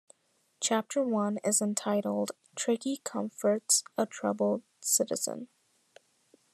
Chapter one is entitled "Tricky comforts a troubled citizen".